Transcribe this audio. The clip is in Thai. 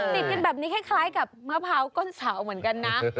ติดกันแบบนี้คล้ายกับมะพร้าวก้นเสาเหมือนกันนะ